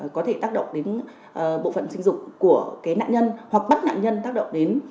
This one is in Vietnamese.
có thể tác động đến bộ phận sinh dục của nạn nhân hoặc bất nạn nhân tác động đến